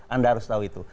anda harus tahu itu